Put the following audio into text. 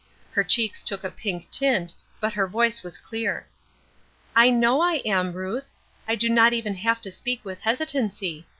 Her cheeks took a pink tint, but her voice was clear. "I know I am, Ruth. I do not even have to speak with hesitancy.